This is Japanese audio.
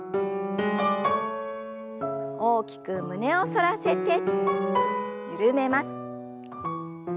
大きく胸を反らせて緩めます。